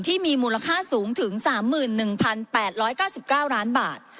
ที่มีมูลค่าสูงถึง๓๑๘๙๙ล้านบาท